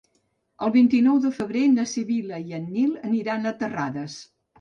El vint-i-nou de febrer na Sibil·la i en Nil aniran a Terrades.